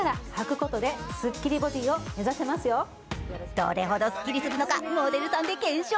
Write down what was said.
どれほどすっきりするのかモデルさんで検証。